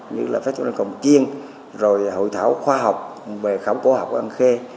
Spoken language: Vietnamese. như là phát triển công chiên rồi hội thảo khoa học về khẩu cổ học của an khê